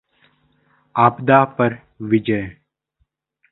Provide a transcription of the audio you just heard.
आपदा पर विजय